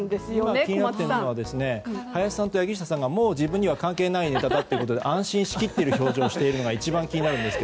今、気になっているのは林さんと柳下さんがもう自分には関係ないネタだと安心しきっている表情しているのが一番気になるんですよ。